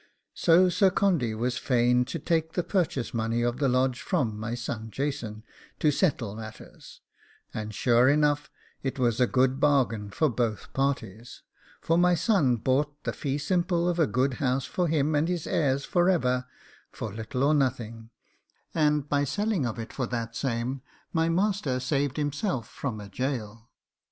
So Sir Condy was fain to take the purchase money of the Lodge from my son Jason to settle matters; and sure enough it was a good bargain for both parties, for my son bought the fee simple of a good house for him and his heirs for ever, for little or nothing, and by selling of it for that same my master saved himself from a gaol.